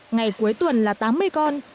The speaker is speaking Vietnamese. ngày cuối tuần là tám mươi con